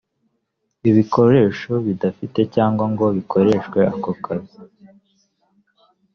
ibikoresho bidafite cyangwa ngo bikoreshwe ako kazi